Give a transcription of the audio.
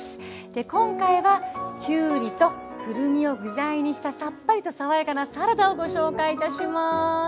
今回はきゅうりとくるみを具材にしたさっぱりと爽やかなサラダをご紹介いたします。